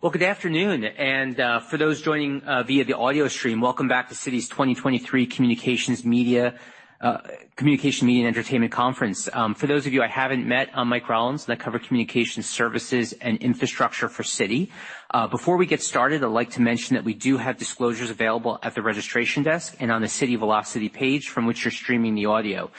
Well, good afternoon. For those joining via the audio stream, welcome back to Citi's 2023 Communication, Media, and Entertainment Conference. For those of you I haven't met, I'm Mike Rollins, and I cover communications services and infrastructure for Citi. Before we get started, I'd like to mention that we do have disclosures available at the registration desk and on the Citi Velocity page from which you're streaming the audio.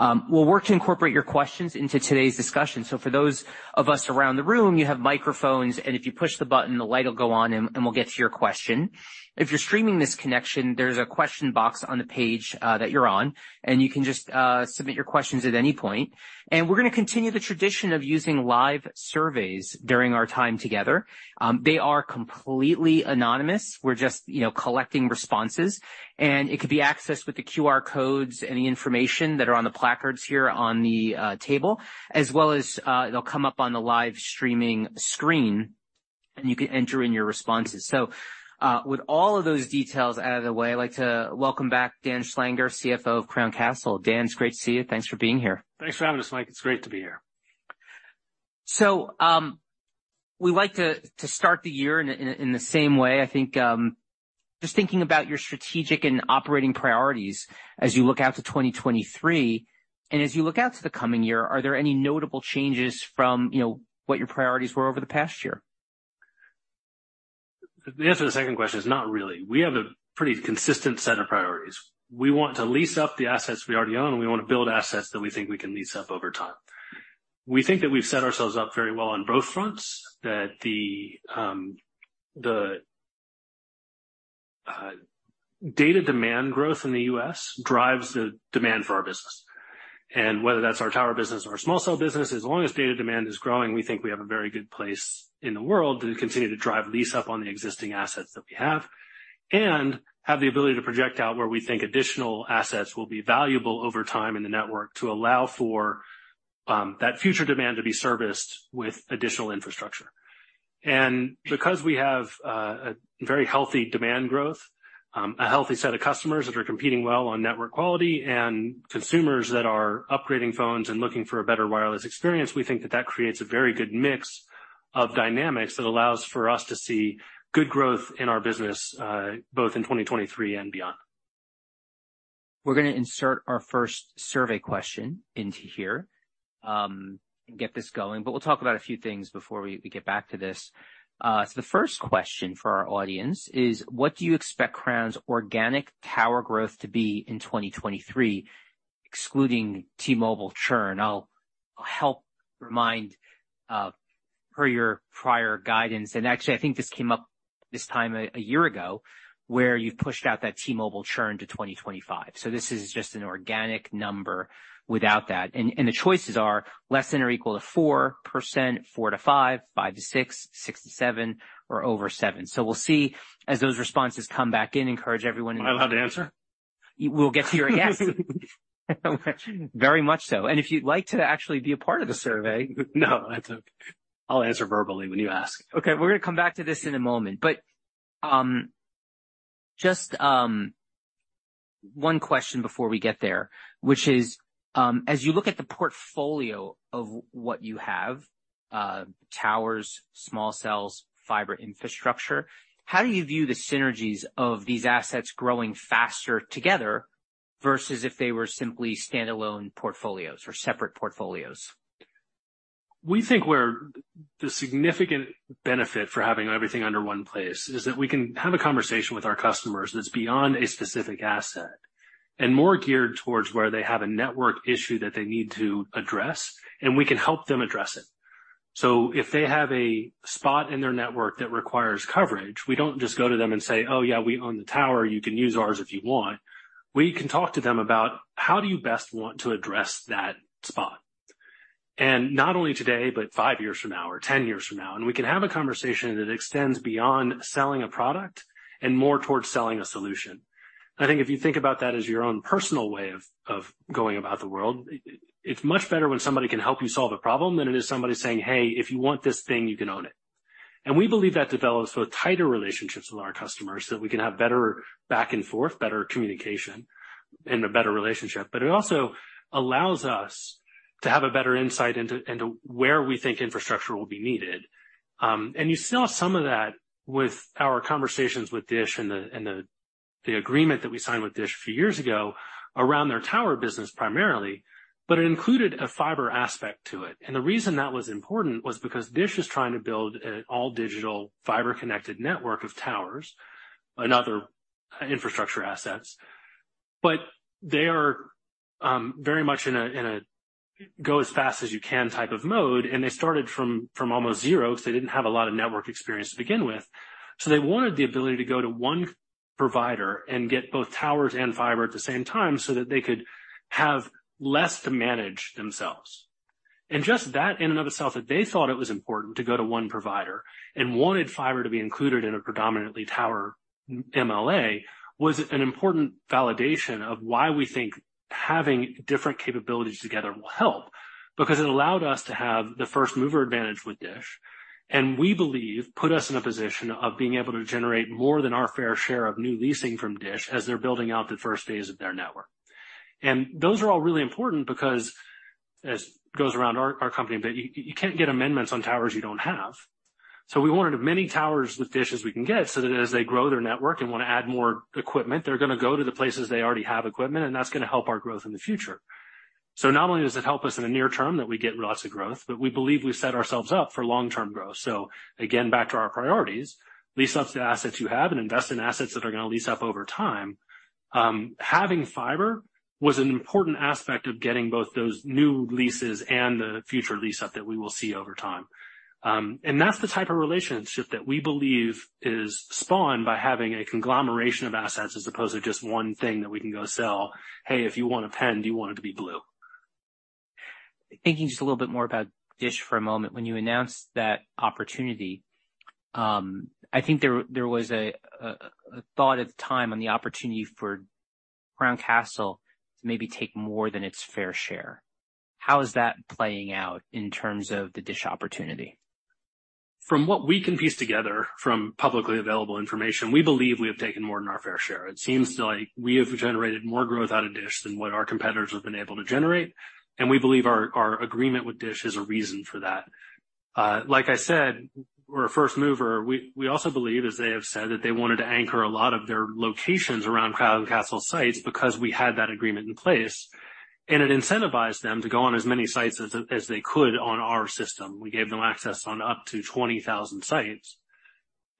We'll work to incorporate your questions into today's discussion. For those of us around the room, you have microphones, and if you push the button, the light will go on and we'll get to your question. If you're streaming this connection, there's a question box on the page that you're on, and you can just submit your questions at any point. We're gonna continue the tradition of using live surveys during our time together. They are completely anonymous. We're just, you know, collecting responses. It could be accessed with the QR codes and the information that are on the placards here on the table, as well as, they'll come up on the live streaming screen, and you can enter in your responses. With all of those details out of the way, I'd like to welcome back Dan Schlanger, CFO of Crown Castle. Dan, it's great to see you. Thanks for being here. Thanks for having us, Mike. It's great to be here. We like to start the year in the same way, I think. Just thinking about your strategic and operating priorities as you look out to 2023 and as you look out to the coming year, are there any notable changes from, you know, what your priorities were over the past year? The answer to the second question is not really. We have a pretty consistent set of priorities. We want to lease up the assets we already own, and we wanna build assets that we think we can lease up over time. We think that we've set ourselves up very well on both fronts, that the data demand growth in the U.S. drives the demand for our business. Whether that's our tower business or small cell business, as long as data demand is growing, we think we have a very good place in the world to continue to drive lease up on the existing assets that we have and have the ability to project out where we think additional assets will be valuable over time in the network to allow for that future demand to be serviced with additional infrastructure. Because we have a very healthy demand growth, a healthy set of customers that are competing well on network quality and consumers that are upgrading phones and looking for a better wireless experience, we think that that creates a very good mix of dynamics that allows for us to see good growth in our business, both in 2023 and beyond. We're gonna insert our first survey question into here, get this going. We'll talk about a few things before we get back to this. The first question for our audience is what do you expect Crown's organic tower growth to be in 2023, excluding T-Mobile churn? I'll help remind, per your prior guidance, actually, I think this came up this time a year ago, where you pushed out that T-Mobile churn to 2025. This is just an organic number without that. The choices are less than or equal to 4%, 4%-5%, 5%-6%, 6%-7%, or over 7%. We'll see as those responses come back in, encourage everyone- Am I allowed to answer? We'll get to your. Yes. Very much so. If you'd like to actually be a part of the survey. No, that's okay. I'll answer verbally when you ask. Okay. We're gonna come back to this in a moment, but, just, one question before we get there, which is, as you look at the portfolio of what you have, towers, small cells, fiber infrastructure, how do you view the synergies of these assets growing faster together versus if they were simply standalone portfolios or separate portfolios? We think where the significant benefit for having everything under one place is that we can have a conversation with our customers that's beyond a specific asset and more geared towards where they have a network issue that they need to address, and we can help them address it. If they have a spot in their network that requires coverage, we don't just go to them and say, "Oh, yeah, we own the tower. You can use ours if you want." We can talk to them about how do you best want to address that spot. Not only today but five years from now or 10 years from now. We can have a conversation that extends beyond selling a product and more towards selling a solution. I think if you think about that as your own personal way of going about the world, it's much better when somebody can help you solve a problem than it is somebody saying, "Hey, if you want this thing, you can own it." And we believe that develops both tighter relationships with our customers, that we can have better back and forth, better communication and a better relationship. But it also allows us to have a better insight into where we think infrastructure will be needed. And you saw some of that with our conversations with DISH and the agreement that we signed with DISH a few years ago around their tower business primarily, but it included a fiber aspect to it. The reason that was important was because DISH is trying to build an all digital fiber-connected network of towers and other infrastructure assets. They are very much in a go as fast as you can type of mode. They started from almost zero because they didn't have a lot of network experience to begin with. They wanted the ability to go to one provider and get both towers and fiber at the same time so that they could have less to manage themselves. Just that in and of itself, that they thought it was important to go to one provider and wanted fiber to be included in a predominantly tower MLA, was an important validation of why we think having different capabilities together will help. Because it allowed us to have the first-mover advantage with DISH, and we believe put us in a position of being able to generate more than our fair share of new leasing from DISH as they're building out the first phase of their network. Those are all really important because as goes around our company, that you can't get amendments on towers you don't have. So we wanted as many towers with DISH as we can get, so that as they grow their network and want to add more equipment, they're gonna go to the places they already have equipment, and that's gonna help our growth in the future. Not only does it help us in the near term that we get lots of growth, but we believe we set ourselves up for long-term growth. Back to our priorities, lease up the assets you have and invest in assets that are gonna lease up over time. Having fiber was an important aspect of getting both those new leases and the future lease up that we will see over time. That's the type of relationship that we believe is spawned by having a conglomeration of assets as opposed to just one thing that we can go sell. Hey, if you want a pen, do you want it to be blue? Thinking just a little bit more about DISH for a moment. When you announced that opportunity, I think there was a thought at the time on the opportunity for Crown Castle to maybe take more than its fair share. How is that playing out in terms of the DISH opportunity? From what we can piece together from publicly available information, we believe we have taken more than our fair share. It seems like we have generated more growth out of DISH than what our competitors have been able to generate. We believe our agreement with DISH is a reason for that. Like I said, we're a first mover. We also believe, as they have said, that they wanted to anchor a lot of their locations around Crown Castle sites because we had that agreement in place, and it incentivized them to go on as many sites as they could on our system. We gave them access on up to 20,000 sites.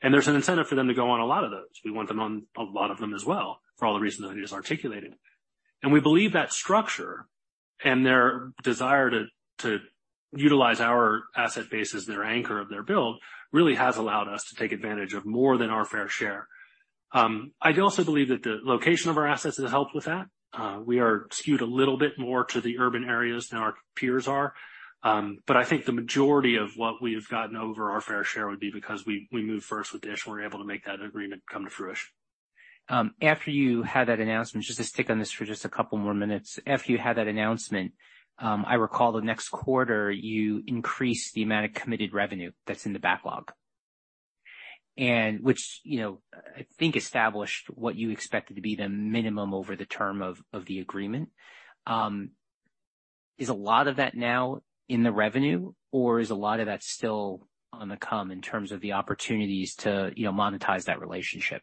There's an incentive for them to go on a lot of those. We want them on a lot of them as well, for all the reasons I just articulated. We believe that structure and their desire to utilize our asset base as their anchor of their build really has allowed us to take advantage of more than our fair share. I also believe that the location of our assets has helped with that. We are skewed a little bit more to the urban areas than our peers are. I think the majority of what we've gotten over our fair share would be because we moved first with DISH, and we're able to make that agreement come to fruition. After you had that announcement, just to stick on this for just a couple more minutes. After you had that announcement, I recall the next quarter you increased the amount of committed revenue that's in the backlog. Which, you know, I think established what you expected to be the minimum over the term of the agreement. Is a lot of that now in the revenue or is a lot of that still on the come in terms of the opportunities to, you know, monetize that relationship?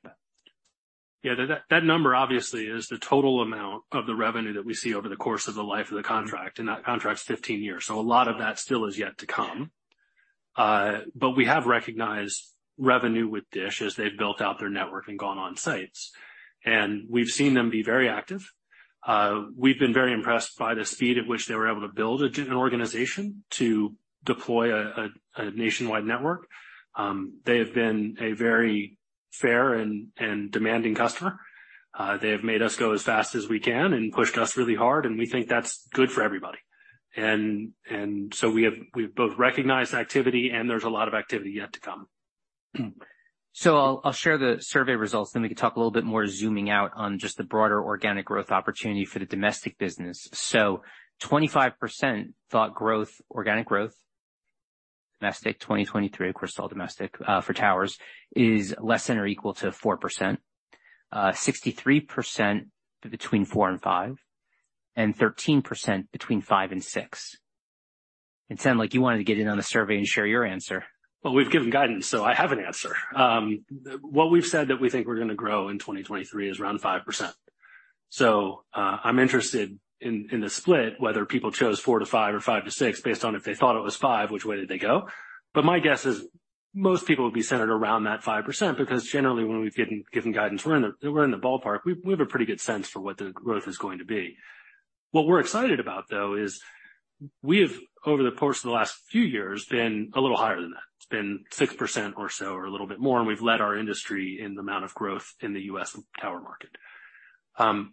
That number obviously is the total amount of the revenue that we see over the course of the life of the contract, and that contract's 15 years. A lot of that still is yet to come. We have recognized revenue with DISH as they've built out their network and gone on sites. We've seen them be very active. We've been very impressed by the speed at which they were able to build a next-gen organization to deploy a nationwide network. They have been a very fair and demanding customer. They have made us go as fast as we can and pushed us really hard, and we think that's good for everybody. We've both recognized activity, and there's a lot of activity yet to come. I'll share the survey results, then we can talk a little bit more zooming out on just the broader organic growth opportunity for the domestic business. Twenty-five percent thought organic growth, domestic 2023, of course, all domestic, for towers, is less than or equal to 4%. Sixty-three percent between 4% and 5%, and 13% between 5% and 6%. It sound like you wanted to get in on the survey and share your answer. We've given guidance, so I have an answer. What we've said that we think we're gonna grow in 2023 is around 5%. I'm interested in the split whether people chose 4%-5% or 5%-6% based on if they thought it was five, which way did they go. My guess is most people would be centered around that 5%, because generally, when we've given guidance, we're in the ballpark. We have a pretty good sense for what the growth is going to be. What we're excited about, though, is we have, over the course of the last few years, been a little higher than that. It's been 6% or so or a little bit more, and we've led our industry in the amount of growth in the U.S. tower market.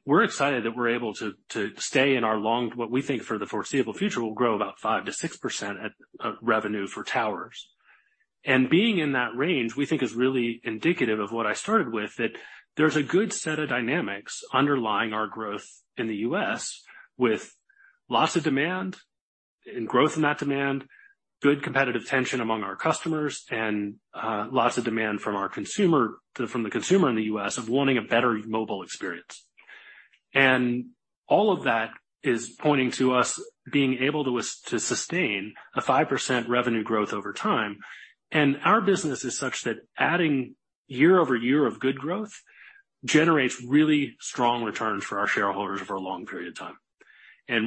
We're excited that we're able to stay in our what we think for the foreseeable future will grow about 5%-6% at revenue for towers. Being in that range, we think, is really indicative of what I started with, that there's a good set of dynamics underlying our growth in the US with lots of demand and growth in that demand, good competitive tension among our customers, lots of demand from the consumer in the US of wanting a better mobile experience. All of that is pointing to us being able to sustain a 5% revenue growth over time. Our business is such that adding year-over-year of good growth generates really strong returns for our shareholders over a long period of time.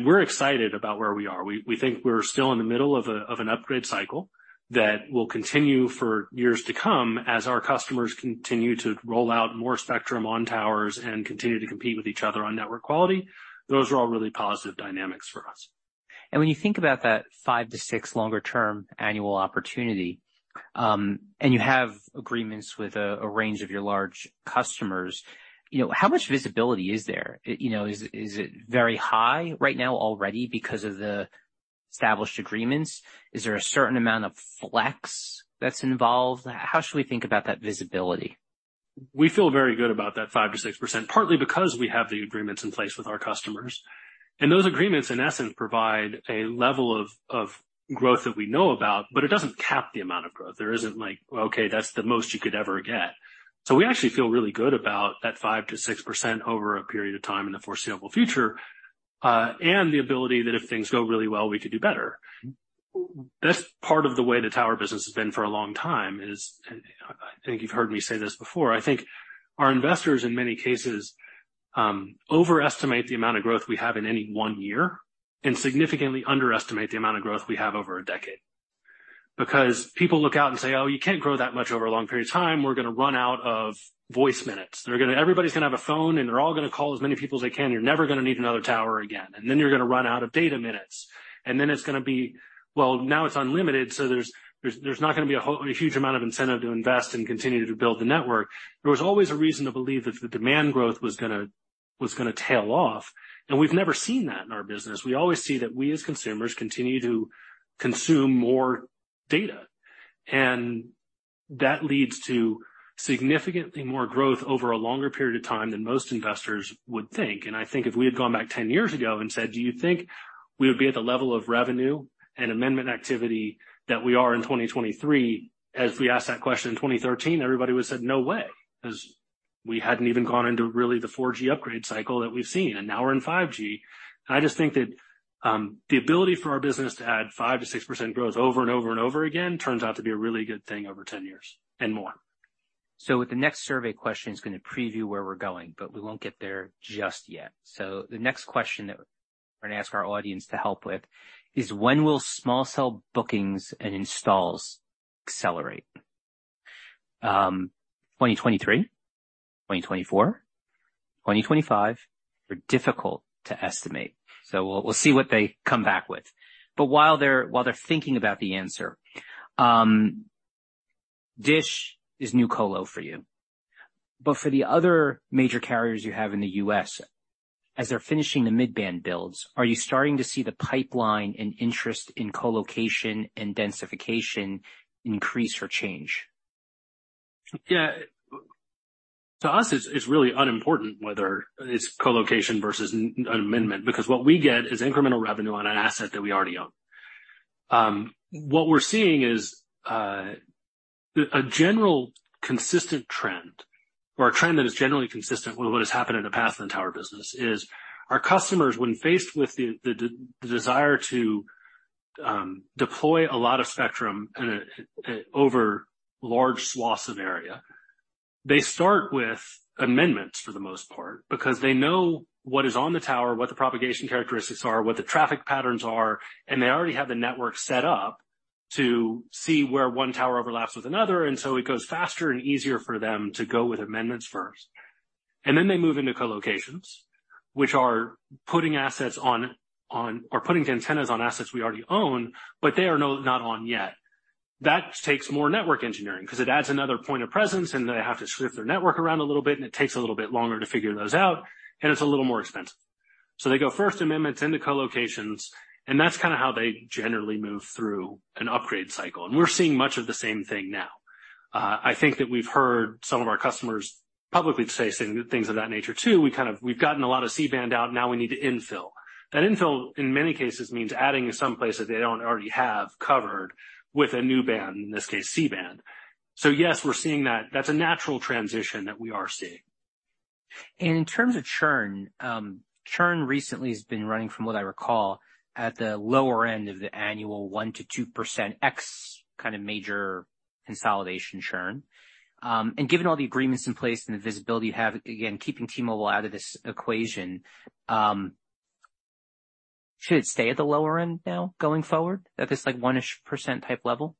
We're excited about where we are. We think we're still in the middle of an upgrade cycle that will continue for years to come as our customers continue to roll out more spectrum on towers and continue to compete with each other on network quality. Those are all really positive dynamics for us. When you think about that five to six longer-term annual opportunity, and you have agreements with a range of your large customers, you know, how much visibility is there? You know, is it very high right now already because of the established agreements? Is there a certain amount of flex that's involved? How should we think about that visibility? We feel very good about that 5% to 6%, partly because we have the agreements in place with our customers. Those agreements, in essence, provide a level of growth that we know about, but it doesn't cap the amount of growth. There isn't like, "Okay, that's the most you could ever get." We actually feel really good about that 5% to 6% over a period of time in the foreseeable future. And the ability that if things go really well, we could do better. That's part of the way the tower business has been for a long time, is, and I think you've heard me say this before. I think our investors, in many cases, overestimate the amount of growth we have in any 1 year and significantly underestimate the amount of growth we have over a decade. People look out and say, "Oh, you can't grow that much over a long period of time. We're gonna run out of voice minutes. Everybody's gonna have a phone, and they're all gonna call as many people as they can. You're never gonna need another tower again, and then you're gonna run out of data minutes, and then it's gonna be, well, now it's unlimited, so there's not gonna be a huge amount of incentive to invest and continue to build the network." There was always a reason to believe that the demand growth was gonna tail off, and we've never seen that in our business. We always see that we, as consumers, continue to consume more data. That leads to significantly more growth over a longer period of time than most investors would think. I think if we had gone back 10 years ago and said, "Do you think we would be at the level of revenue and amendment activity that we are in 2023?" As we asked that question in 2013, everybody would've said, "No way," 'cause we hadn't even gone into really the 4G upgrade cycle that we've seen, and now we're in 5G. I just think that the ability for our business to add 5%-6% growth over and over and over again turns out to be a really good thing over 10 years and more. The next survey question is gonna preview where we're going, but we won't get there just yet. The next question that we're gonna ask our audience to help with is, when will small cell bookings and installs accelerate? 2023, 2024, 2025 or difficult to estimate. We'll see what they come back with. While they're thinking about the answer, DISH is new colo for you. For the other major carriers you have in the U.S., as they're finishing the mid-band builds, are you starting to see the pipeline and interest in colocation and densification increase or change? Yeah. To us, it's really unimportant whether it's colocation versus an amendment because what we get is incremental revenue on an asset that we already own. What we're seeing is a general consistent trend or a trend that is generally consistent with what has happened in the past in the tower business is our customers, when faced with the desire to deploy a lot of spectrum in a over large swaths of area, they start with amendments for the most part because they know what is on the tower, what the propagation characteristics are, what the traffic patterns are, and they already have the network set up to see where one tower overlaps with another. It goes faster and easier for them to go with amendments first. Then they move into colocations, which are putting assets on, or putting the antennas on assets we already own, but they are not on yet. That takes more network engineering 'cause it adds another point of presence, and they have to shift their network around a little bit, and it takes a little bit longer to figure those out, and it's a little more expensive. They go first amendments into colocations, and that's kinda how they generally move through an upgrade cycle. We're seeing much of the same thing now. I think that we've heard some of our customers publicly say things of that nature too. We kind of, we've gotten a lot of C-band out, now we need to infill. That infill, in many cases, means adding in some places they don't already have covered with a new band, in this case, C-band. Yes, we're seeing that. That's a natural transition that we are seeing. In terms of churn recently has been running, from what I recall, at the lower end of the annual 1%-2% X kind of major consolidation churn. Given all the agreements in place and the visibility you have, again, keeping T-Mobile out of this equation, should it stay at the lower end now going forward at this 1%-ish type level?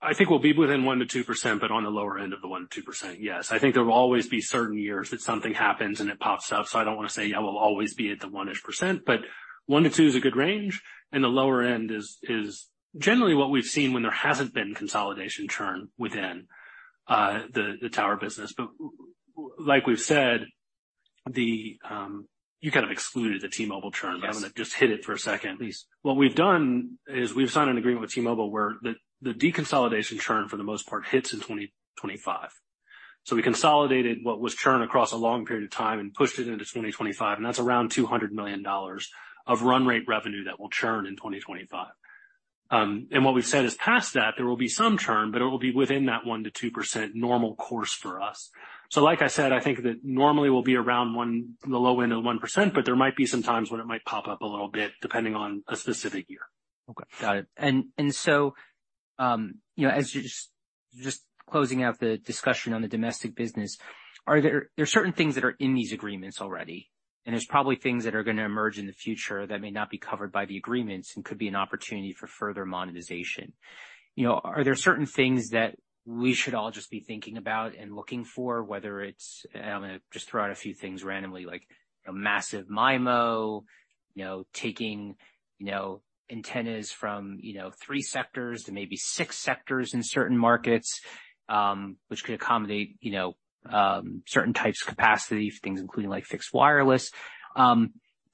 I think we'll be within 1%-2%, but on the lower end of the 1%-2%, yes. I think there will always be certain years that something happens and it pops up. I don't want to say, yeah, we'll always be at the 1-ish%, but 1-2 is a good range, and the lower end is generally what we've seen when there hasn't been consolidation churn within the tower business. Like we've said, you kind of excluded the T-Mobile churn. Yes. I'm gonna just hit it for a second. Please. What we've done is we've signed an agreement with T-Mobile where the deconsolidation churn for the most part hits in 2025. We consolidated what was churn across a long period of time and pushed it into 2025, and that's around $200 million of run rate revenue that will churn in 2025. What we've said is past that, there will be some churn, but it will be within that 1%-2% normal course for us. Like I said, I think that normally we'll be around the low end of 1%, but there might be some times when it might pop up a little bit depending on a specific year. Okay, got it. You know, as you're just closing out the discussion on the domestic business, there are certain things that are in these agreements already, and there's probably things that are gonna emerge in the future that may not be covered by the agreements and could be an opportunity for further monetization. You know, are there certain things that we should all just be thinking about and looking for, whether it's. I'm gonna just throw out a few things randomly, like, you know, Massive MIMO, you know, taking, you know, antennas from, you know, three sectors to maybe six sectors in certain markets, which could accommodate, you know, certain types of capacity for things including like fixed wireless.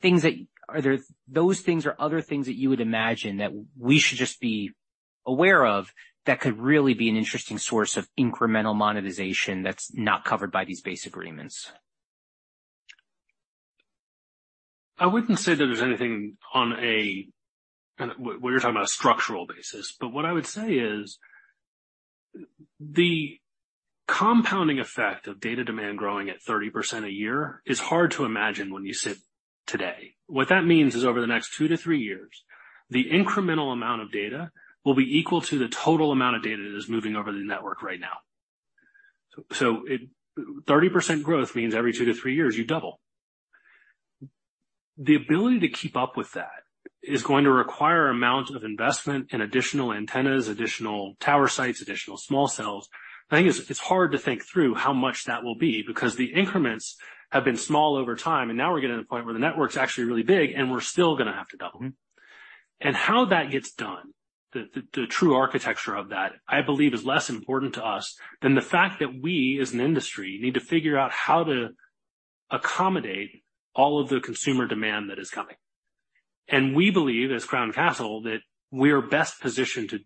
Things that Are there those things or other things that you would imagine that we should just be aware of that could really be an interesting source of incremental monetization that's not covered by these base agreements? I wouldn't say that there's anything on a. Kinda we're talking about a structural basis. What I would say is. The compounding effect of data demand growing at 30% a year is hard to imagine when you sit today. What that means is over the next 2-3 years, the incremental amount of data will be equal to the total amount of data that is moving over the network right now. 30% growth means every 2-3 years you double. The ability to keep up with that is going to require an amount of investment in additional antennas, additional tower sites, additional small cells. I think it's hard to think through how much that will be because the increments have been small over time, and now we're getting to the point where the network's actually really big and we're still gonna have to double. How that gets done, the true architecture of that, I believe is less important to us than the fact that we as an industry need to figure out how to accommodate all of the consumer demand that is coming. We believe as Crown Castle, that we are best positioned to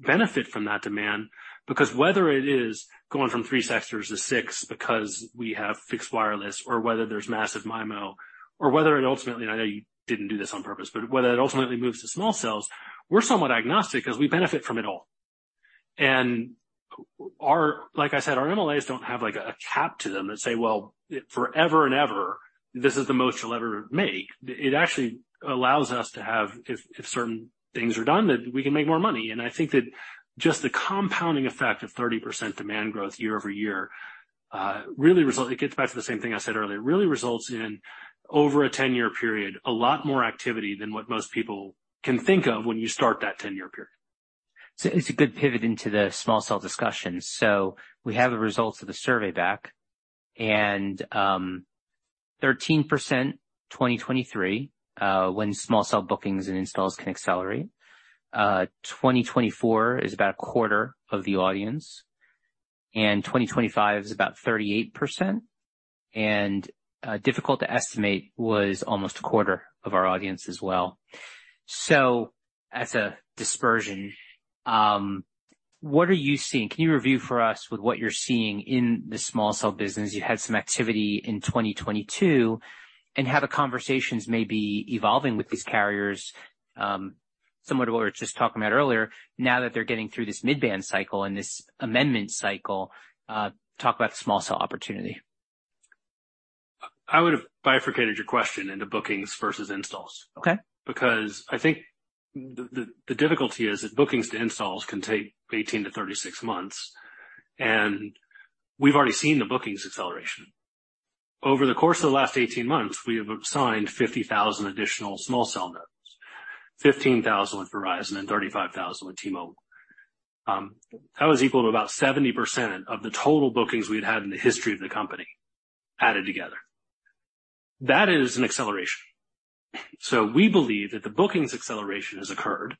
benefit from that demand, because whether it is going from 3 sectors to 6 because we have fixed wireless or whether there's Massive MIMO or whether it ultimately, I know you didn't do this on purpose, but whether it ultimately moves to small cells, we're somewhat agnostic 'cause we benefit from it all. Our, like I said, our MLAs don't have like a cap to them that say, well, forever and ever, this is the most you'll ever make. It actually allows us to have, if certain things are done, that we can make more money. I think that just the compounding effect of 30% demand growth year-over-year, it gets back to the same thing I said earlier, really results in over a 10-year period, a lot more activity than what most people can think of when you start that 10-year period. It's a good pivot into the small cell discussion. We have the results of the survey back and, 13% 2023, when small cell bookings and installs can accelerate. 2024 is about a quarter of the audience, and 2025 is about 38%. Difficult to estimate was almost a quarter of our audience as well. As a dispersion, what are you seeing? Can you review for us with what you're seeing in the small cell business? You had some activity in 2022 and how the conversations may be evolving with these carriers, similar to what we were just talking about earlier, now that they're getting through this mid-band cycle and this amendment cycle, talk about the small cell opportunity. I would've bifurcated your question into bookings versus installs. Okay. I think the difficulty is that bookings to installs can take 18-36 months. We've already seen the bookings acceleration. Over the course of the last 18 months, we have signed 50,000 additional small cell nodes, 15,000 with Verizon and 35,000 with T-Mobile. That was equal to about 70% of the total bookings we'd had in the history of the company added together. That is an acceleration. We believe that the bookings acceleration has occurred,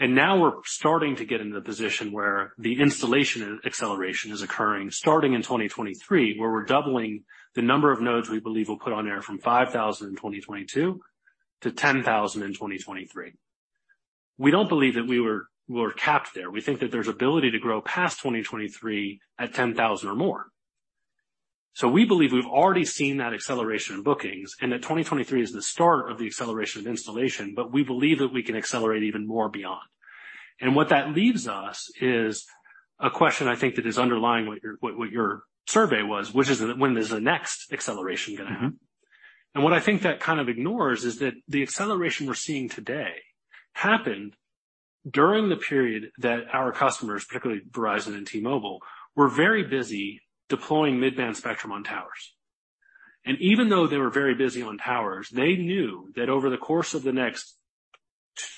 now we're starting to get into the position where the installation acceleration is occurring starting in 2023, where we're doubling the number of nodes we believe we'll put on air from 5,000 in 2022 to 10,000 in 2023. We don't believe that we were capped there. We think that there's ability to grow past 2023 at 10,000 or more. We believe we've already seen that acceleration in bookings and that 2023 is the start of the acceleration of installation, but we believe that we can accelerate even more beyond. What that leaves us is a question I think that is underlying what your survey was, which is when is the next acceleration gonna happen? Mm-hmm. What I think that kind of ignores is that the acceleration we're seeing today happened during the period that our customers, particularly Verizon and T-Mobile, were very busy deploying mid-band spectrum on towers. Even though they were very busy on towers, they knew that over the course of the next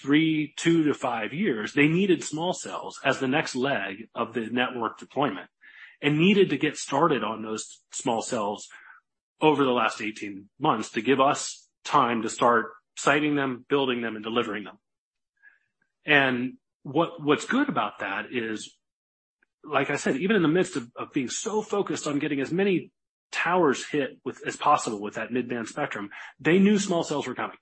3, 2-5 years, they needed small cells as the next leg of the network deployment. Needed to get started on those small cells over the last 18 months to give us time to start siting them, building them and delivering them. What's good about that is, like I said, even in the midst of being so focused on getting as many towers hit with as possible with that mid-band spectrum, they knew small cells were coming.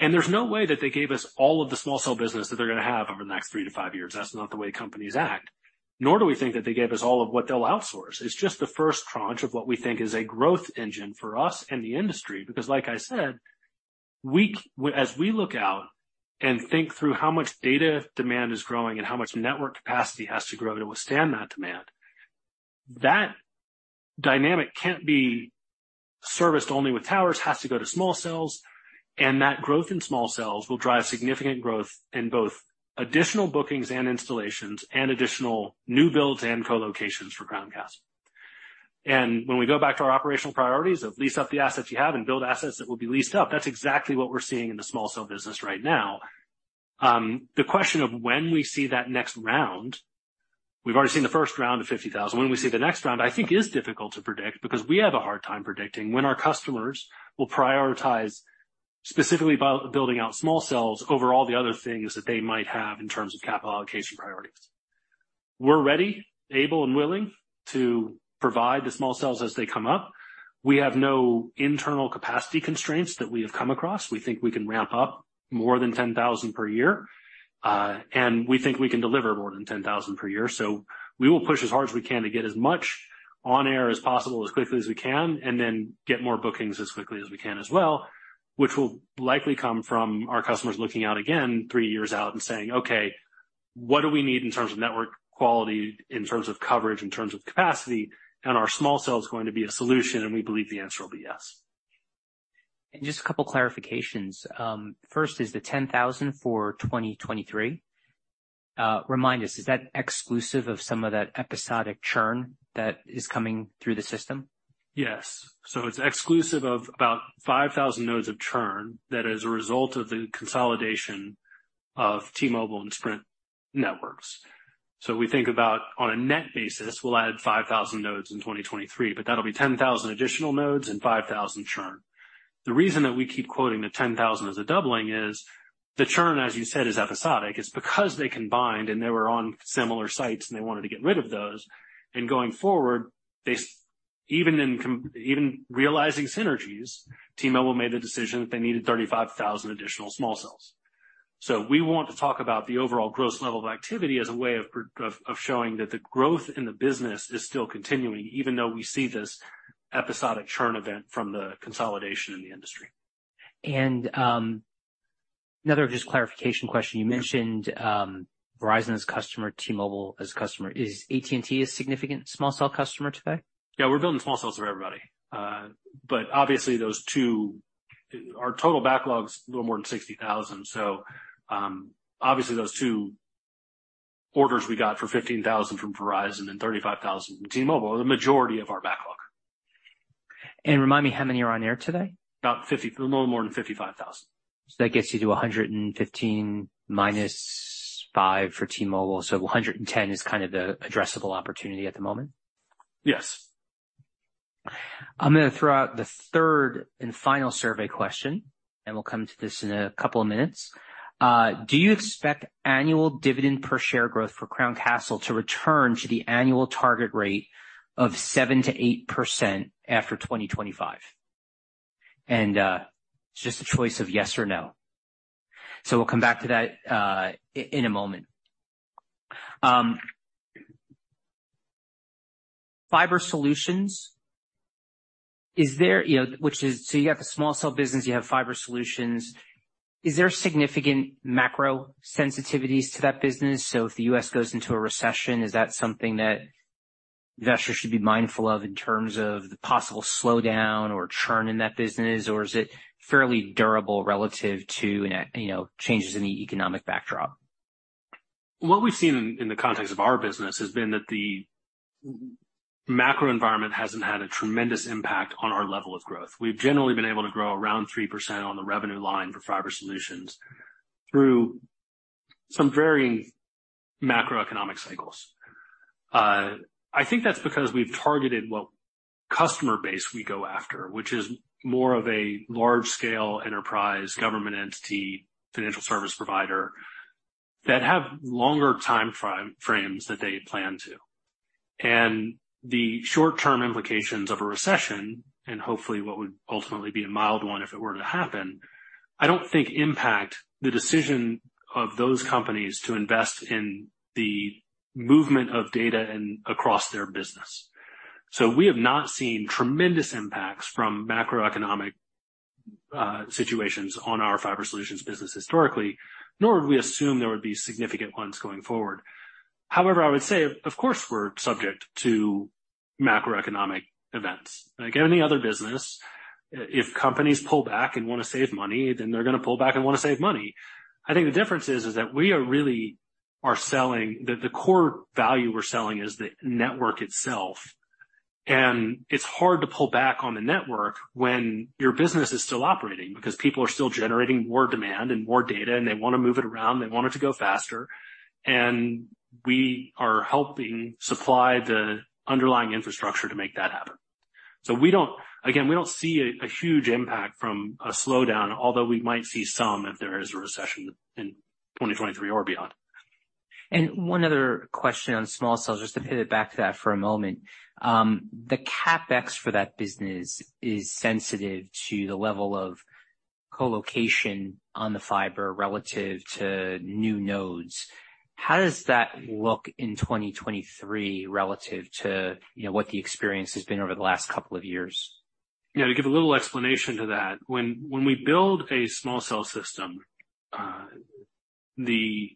There's no way that they gave us all of the small cell business that they're gonna have over the next 3-5 years. That's not the way companies act, nor do we think that they gave us all of what they'll outsource. It's just the first tranche of what we think is a growth engine for us and the industry. Because like I said, as we look out and think through how much data demand is growing and how much network capacity has to grow to withstand that demand, that dynamic can't be serviced only with towers, it has to go to small cells. That growth in small cells will drive significant growth in both additional bookings and installations and additional new builds and colocations for Crown Castle. When we go back to our operational priorities of lease up the assets you have and build assets that will be leased up, that's exactly what we're seeing in the small cell business right now. The question of when we see that next round, we've already seen the first round of 50,000. When we see the next round, I think is difficult to predict because we have a hard time predicting when our customers will prioritize specifically by building out small cells over all the other things that they might have in terms of capital allocation priorities. We're ready, able and willing to provide the small cells as they come up. We have no internal capacity constraints that we have come across. We think we can ramp up more than 10,000 per year. And we think we can deliver more than 10,000 per year. We will push as hard as we can to get as much on air as possible, as quickly as we can, and then get more bookings as quickly as we can as well, which will likely come from our customers looking out again 3 years out and saying, "Okay, what do we need in terms of network quality, in terms of coverage, in terms of capacity, and are small cells going to be a solution?" We believe the answer will be yes. Just a couple clarifications. First is the 10,000 for 2023, remind us, is that exclusive of some of that episodic churn that is coming through the system? Yes. It's exclusive of about 5,000 nodes of churn that as a result of the consolidation of T-Mobile and Sprint networks. We think about on a net basis, we'll add 5,000 nodes in 2023, but that'll be 10,000 additional nodes and 5,000 churn. The reason that we keep quoting the 10,000 as a doubling is the churn, as you said, is episodic. It's because they combined and they were on similar sites, and they wanted to get rid of those. Going forward, they even realizing synergies, T-Mobile made the decision that they needed 35,000 additional small cells. We want to talk about the overall growth level of activity as a way of showing that the growth in the business is still continuing, even though we see this episodic churn event from the consolidation in the industry. Another just clarification question. You mentioned, Verizon as a customer, T-Mobile as a customer. Is AT&T a significant small cell customer today? Yeah, we're building small cells for everybody. Our total backlog is a little more than 60,000. obviously, those two orders we got for 15,000 from Verizon and 35,000 from T-Mobile are the majority of our backlog. Remind me how many are on air today. A little more than 55,000. That gets you to 115 minus 5 for T-Mobile. A hundred and ten is kind of the addressable opportunity at the moment. Yes. I'm gonna throw out the third and final survey question. We'll come to this in a couple of minutes. Do you expect annual dividend per share growth for Crown Castle to return to the annual target rate of 7% to 8% after 2025? It's just a choice of yes or no. We'll come back to that in a moment. Fiber solutions. You have a small cell business, you have fiber solutions. Is there significant macro sensitivities to that business? If the U.S. goes into a recession, is that something that investors should be mindful of in terms of the possible slowdown or churn in that business? Is it fairly durable relative to you know, changes in the economic backdrop? What we've seen in the context of our business has been that the macro environment hasn't had a tremendous impact on our level of growth. We've generally been able to grow around 3% on the revenue line for fiber solutions through some varying macroeconomic cycles. I think that's because we've targeted what customer base we go after, which is more of a large-scale enterprise, government entity, financial service provider that have longer time frames that they plan to. The short-term implications of a recession, and hopefully what would ultimately be a mild one if it were to happen, I don't think impact the decision of those companies to invest in the movement of data and across their business. We have not seen tremendous impacts from macroeconomic situations on our fiber solutions business historically, nor have we assumed there would be significant ones going forward. However, I would say, of course, we're subject to macroeconomic events. Like any other business, if companies pull back and wanna save money, then they're gonna pull back and wanna save money. I think the difference is that we really are selling. The core value we're selling is the network itself. It's hard to pull back on the network when your business is still operating because people are still generating more demand and more data, and they wanna move it around, they want it to go faster. We are helping supply the underlying infrastructure to make that happen. We don't. Again, we don't see a huge impact from a slowdown, although we might see some if there is a recession in 2023 or beyond. One other question on small cells, just to pivot back to that for a moment. The CapEx for that business is sensitive to the level of co-location on the fiber relative to new nodes. How does that look in 2023 relative to, you know, what the experience has been over the last couple of years? Yeah. To give a little explanation to that, when we build a small cell system, the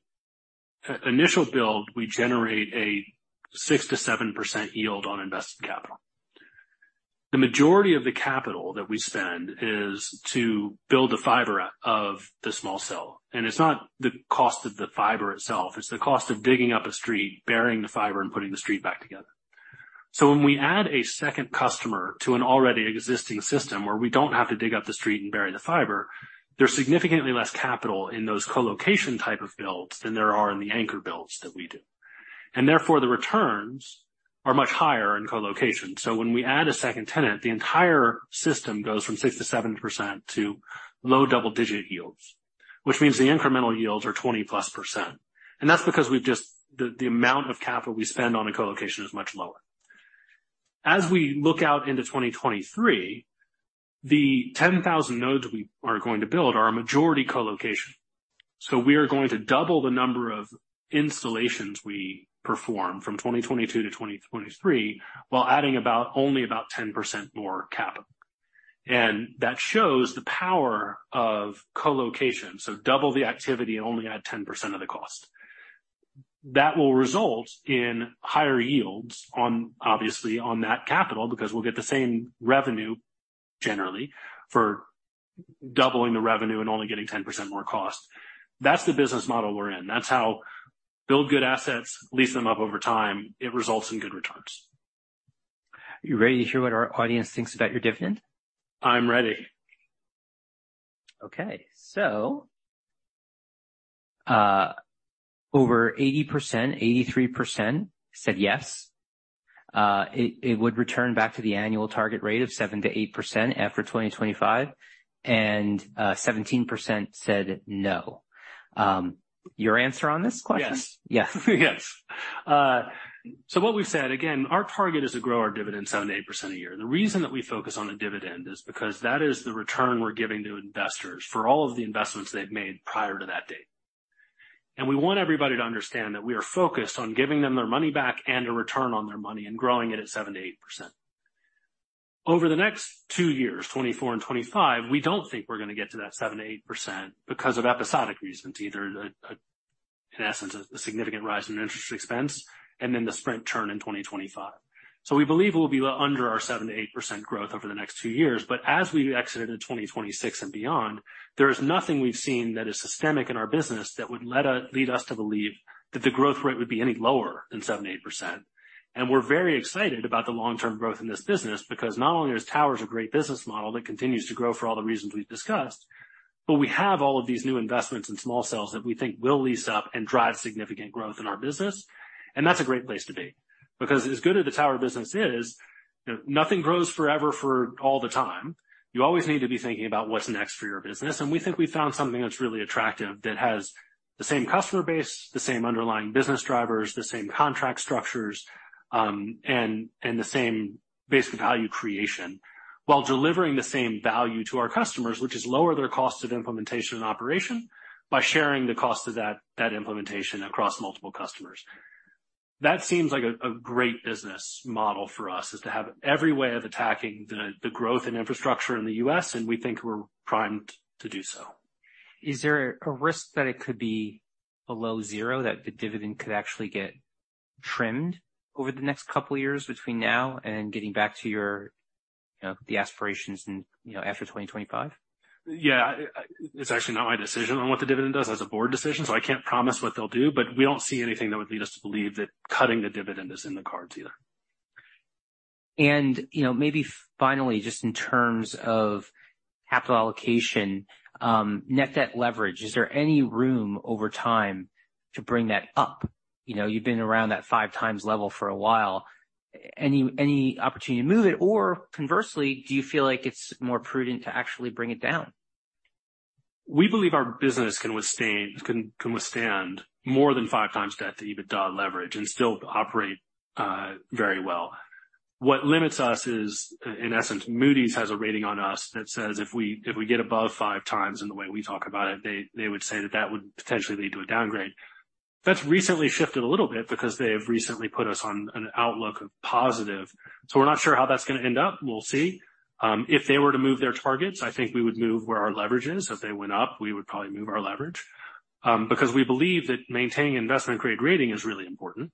initial build, we generate a 6%-7% yield on invested capital. The majority of the capital that we spend is to build the fiber of the small cell. It's not the cost of the fiber itself, it's the cost of digging up a street, burying the fiber, and putting the street back together. When we add a second customer to an already existing system where we don't have to dig up the street and bury the fiber, there's significantly less capital in those colocation type of builds than there are in the anchor builds that we do. Therefore, the returns are much higher in colocation. When we add a second tenant, the entire system goes from 6%-7% to low double-digit yields, which means the incremental yields are 20+%. That's because the amount of capital we spend on a colocation is much lower. As we look out into 2023, the 10,000 nodes we are going to build are a majority colocation, so we are going to double the number of installations we perform from 2022 to 2023, while adding only about 10% more CAPEX. That shows the power of colocation. Double the activity and only add 10% of the cost. That will result in higher yields, obviously on that capital, because we'll get the same revenue generally for doubling the revenue and only getting 10% more cost. That's the business model we're in. That's how build good assets, lease them up over time. It results in good returns. Are you ready to hear what our audience thinks about your dividend? I'm ready. Okay. Over 80%, 83% said yes, it would return back to the annual target rate of 7%-8% after 2025 and 17% said no. Your answer on this question? Yes. Yes. Yes. What we've said, again, our target is to grow our dividend 7% to 8% a year. The reason that we focus on the dividend is because that is the return we're giving to investors for all of the investments they've made prior to that date. We want everybody to understand that we are focused on giving them their money back and a return on their money and growing it at 7% to 8%. Over the next two years, 2024 and 2025, we don't think we're gonna get to that 7% to 8% because of episodic reasons. Either, in essence, a significant rise in interest expense and then the Sprint churn in 2025. We believe we'll be under our 7% to 8% growth over the next two years. As we exited in 2026 and beyond, there is nothing we've seen that is systemic in our business that would lead us to believe that the growth rate would be any lower than 7%-8%. We're very excited about the long term growth in this business because not only is towers a great business model that continues to grow for all the reasons we've discussed, but we have all of these new investments in small cells that we think will lease up and drive significant growth in our business. That's a great place to be because as good as the tower business is, nothing grows forever for all the time. You always need to be thinking about what's next for your business. We think we found something that's really attractive, that has the same customer base, the same underlying business drivers, the same contract structures, and the same basic value creation while delivering the same value to our customers, which is lower their cost of implementation and operation by sharing the cost of that implementation across multiple customers. That seems like a great business model for us, is to have every way of attacking the growth in infrastructure in the US, and we think we're primed to do so. Is there a risk that it could be below 0, that the dividend could actually get trimmed over the next couple of years between now and getting back to your, you know, the aspirations and, you know, after 2025? Yeah. It's actually not my decision on what the dividend does. That's a board decision, so I can't promise what they'll do. We don't see anything that would lead us to believe that cutting the dividend is in the cards either. You know, maybe finally, just in terms of capital allocation, net debt leverage, is there any room over time to bring that up? You know, you've been around that 5x level for a while. Any, any opportunity to move it? Conversely, do you feel like it's more prudent to actually bring it down? We believe our business can withstand more than 5 times debt to EBITDA leverage and still operate very well. What limits us is, in essence, Moody's has a rating on us that says if we get above 5 times in the way we talk about it, they would say that that would potentially lead to a downgrade. That's recently shifted a little bit because they have recently put us on an outlook of positive. We're not sure how that's going to end up. We'll see. If they were to move their targets, I think we would move where our leverage is. If they went up, we would probably move our leverage, because we believe that maintaining investment grade rating is really important.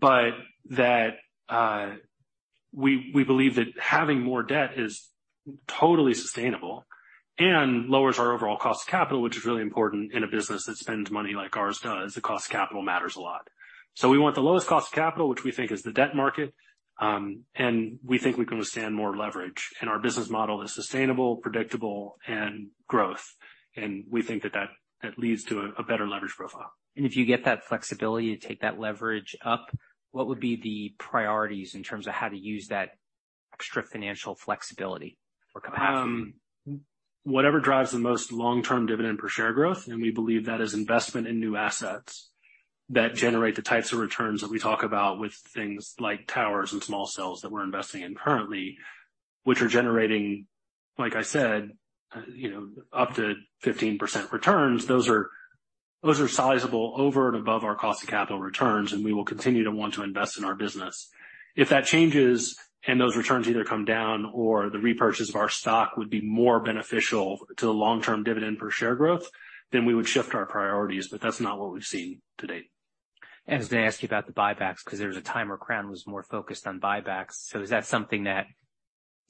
We believe that having more debt is totally sustainable and lowers our overall cost of capital, which is really important in a business that spends money like ours does. The cost of capital matters a lot. We want the lowest cost of capital, which we think is the debt market. We think we can withstand more leverage. Our business model is sustainable, predictable, and growth. We think that leads to a better leverage profile. If you get that flexibility to take that leverage up, what would be the priorities in terms of how to use that extra financial flexibility for Crown Castle? Whatever drives the most long-term dividend per share growth. We believe that is investment in new assets that generate the types of returns that we talk about with things like towers and small cells that we're investing in currently, which are generating, like I said, you know, up to 15% returns. Those are sizable over and above our cost of capital returns. We will continue to want to invest in our business. If that changes and those returns either come down or the repurchase of our stock would be more beneficial to the long-term dividend per share growth, we would shift our priorities. That's not what we've seen to date. I was going to ask you about the buybacks because there was a time where Crown was more focused on buybacks. Is that something that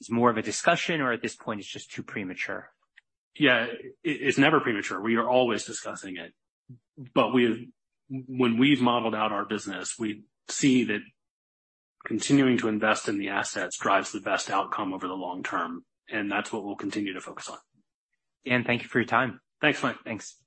is more of a discussion or at this point it's just too premature? Yeah, it's never premature. When we've modeled out our business, we see that continuing to invest in the assets drives the best outcome over the long term, and that's what we'll continue to focus on. Dan, thank you for your time. Thanks, Mike. Thanks.